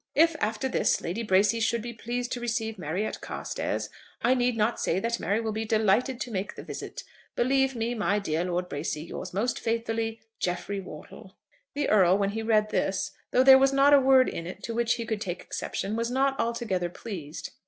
"If, after this, Lady Bracy should be pleased to receive Mary at Carstairs, I need not say that Mary will be delighted to make the visit. Believe me, my dear Lord Bracy, yours most faithfully. "JEFFREY WORTLE." The Earl, when he read this, though there was not a word in it to which he could take exception, was not altogether pleased.